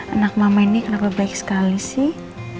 anak mama ini kenapa baik sekali sih